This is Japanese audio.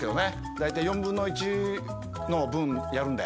大体４分の１の分やるんで。